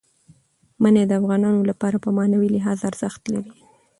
منی د افغانانو لپاره په معنوي لحاظ ارزښت لري.